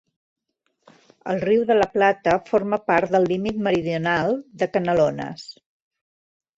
El Riu de la Plata forma part del límit meridional de Canelones.